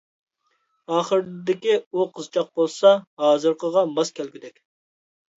ئاخىردىكى ئۇ قىزچاق بولسا ھازىرقىغا ماس كەلگۈدەك.